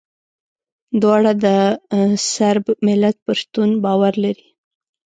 دواړه د صرب ملت پر شتون باور لري.